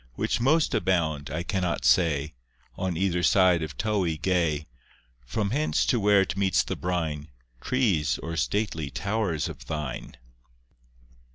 Which most abound—I cannot say— On either side of Towey gay, From hence to where it meets the brine, Trees or stately towers of thine?